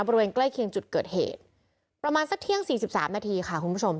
บริเวณใกล้เคียงจุดเกิดเหตุประมาณสักเที่ยงสี่สิบสามนาทีค่ะคุณผู้ชม